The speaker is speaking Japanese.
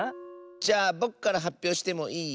じゃあぼくからはっぴょうしてもいい？